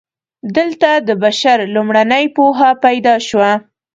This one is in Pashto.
دلته د بشر لومړنۍ پوهه پیدا شوه.